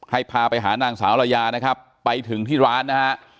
พาไปหานางสาวระยานะครับไปถึงที่ร้านนะฮะ